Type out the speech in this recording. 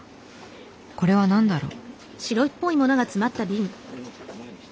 これは何だろう？